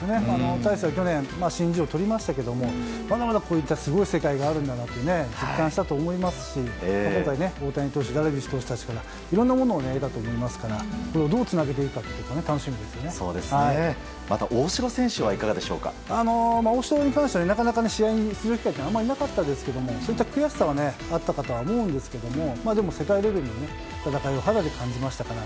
大勢は去年、新人王をとりましたけどまだまだ、こういったすごい世界があるんだなって実感したと思いますし今回、大谷投手ダルビッシュ投手たちからいろいろなものを得たと思いますから、それをどうつなげていくのかがまた大城選手は大城に関してはなかなか試合の出場機会がなかったんですけれどもそういった悔しさはあったかとは思うんですけれどもでも、世界レベルの戦いを肌で感じましたから。